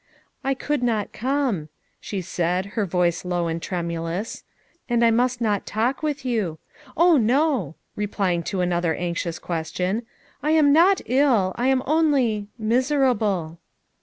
"I could not come," she said, her voice low and tremulous. "And I must not talk with you. Oh, no," replying to another anxious question — "I am not ill, I am only — miserable."